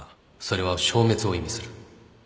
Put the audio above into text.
それは消滅を意味する